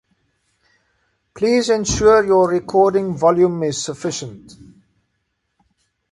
Please ensure your recording volume is sufficient.